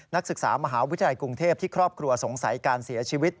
นักศึกษามหาวิทยาลัยกรุงเทพที่ครอบครัวสงสัยการเสียชีวิต